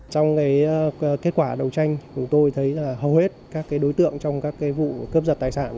trong kết quả đấu tranh tôi thấy hầu hết các đối tượng trong các vụ cướp giật tài sản